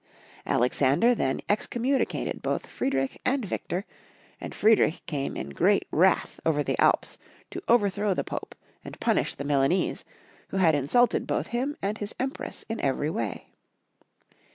Alexander then excommunicated both Friedrich and Victor, and Friedrich came in great wrath over the Alps to overthrow the Pope and punish the Milanese, who had insulted both him and his Empress in every way.